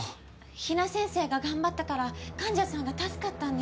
比奈先生が頑張ったから患者さんが助かったんです